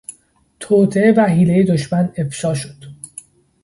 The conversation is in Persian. توطئه و حیلهٔ دشمن افشاء شد.